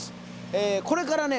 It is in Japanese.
これからね